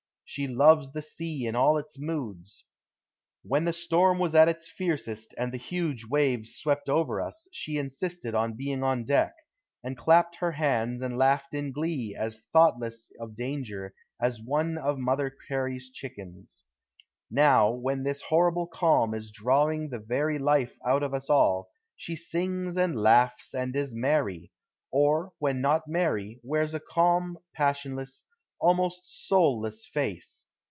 She loves the sea in all its moods. When the storm was at its fiercest and the huge waves swept over us, she insisted on being on deck, and clapped her hands and laughed in glee, as thoughtless of danger as one of Mother Cary's chickens. Now, when this horrible calm is drawing the very life out of us all, she sings and laughs and is merry; or, when not merry, wears a calm, passionless, almost soulless face.